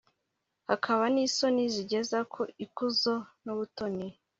hakaba n'isoni zigeza ku ikuzo n'ubutoni